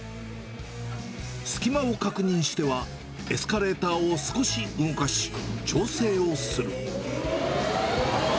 隙間を確認しては、エスカレーターを少し動かし、調整をする。